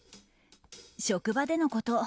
職場でのこと。